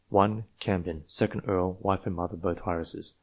1 Camden, 2d Earl ; wife and mother both heiresses.